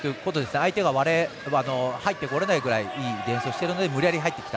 相手が入ってこれないくらいいいディフェンスをしているので無理やり入っていった。